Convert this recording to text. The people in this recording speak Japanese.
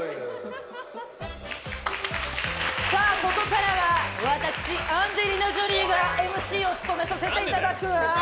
ここからは私アンジェリーナ・ジョリーがＭＣを務めさせていただくわ。